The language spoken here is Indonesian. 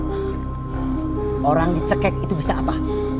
kalau si ujang sampai mati itu bisa apa